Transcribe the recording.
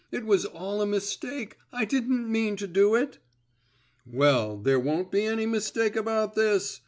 "It was all a mistake. I didn't mean to do it!" "Well, there won't be any mistake about this!"